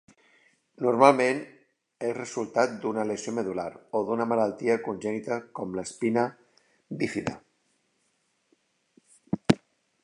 Normalment és resultat d'una lesió medul·lar o d'una malaltia congènita com l'espina bífida.